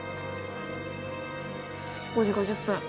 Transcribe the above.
５時５０分。